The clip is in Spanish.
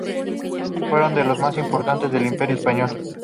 Fueron de los más importantes del imperio español.